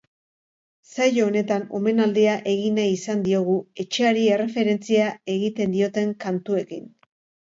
Saio honetan, omenaldia egin nahi izan diogu etxeari erreferentzia egiten dioten kantuekin.